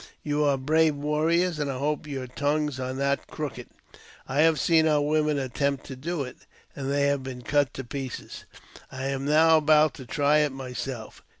You are brave warriors, and I hope your tongues are not crooked. I have seen our women attempt to do it, and they have been cut tfll pieces. I am now about to try it myself.